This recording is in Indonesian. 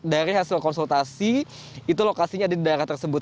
dari hasil konsultasi itu lokasinya ada di daerah tersebut